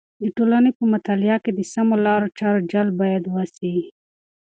د ټولنې په مطالعه کې د سمو لارو چارو جلب باید وسي.